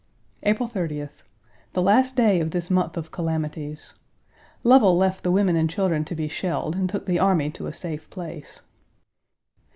April 30th. The last day of this month of calamities. Lovell left the women and children to be shelled, and took the army to a safe place.